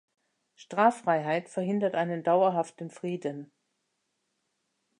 Straffreiheit verhindert einen dauerhaften Frieden.